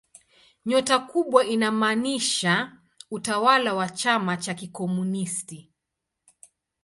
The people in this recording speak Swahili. Nyota kubwa inamaanisha utawala wa chama cha kikomunisti.